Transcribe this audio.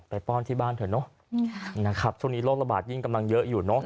ป้อนที่บ้านเถอะเนอะนะครับช่วงนี้โรคระบาดยิ่งกำลังเยอะอยู่เนอะ